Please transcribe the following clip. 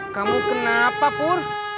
kamu kenapa pur